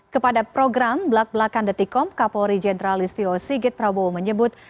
kepada program belak belakan detik kom kapolri jenderal listio sigit prabowo menyebut